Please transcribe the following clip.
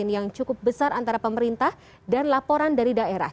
yang cukup besar antara pemerintah dan laporan dari daerah